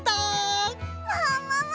ももも！